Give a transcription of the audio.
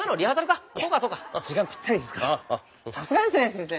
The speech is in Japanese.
さすがですね先生。